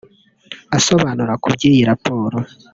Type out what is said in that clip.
Asobanura ku by’iyi raporo